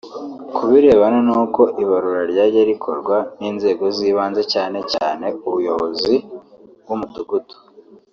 Ku birebana n’uko Ibarura ryajya rikorwa n’inzego z’ibanze cyane cyane ubuyobozi bw’umudugudu